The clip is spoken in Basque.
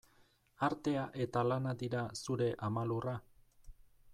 Artea eta lana dira zure ama lurra?